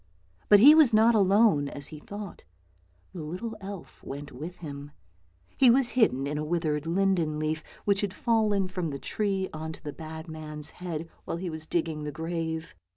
But he was not alone, as he thought; the little elf went with him. He was hidden in a withered linden leaf which had fallen from the tree on to the bad man's head while he was digging the grave.